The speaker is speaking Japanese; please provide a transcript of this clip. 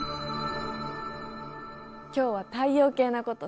今日は太陽系のこと